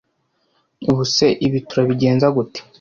ubu se ibi turabigenza gute